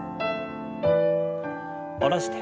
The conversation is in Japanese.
下ろして。